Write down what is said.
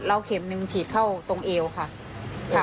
แล้วเข็มหนึ่งฉีดเข้าตรงเอวค่ะ